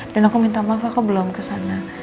dan aku minta maaf aku belum kesana